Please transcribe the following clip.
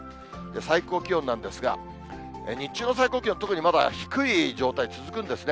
最高気温なんですが、日中の最高気温、特にまだ低い状態続くんですね。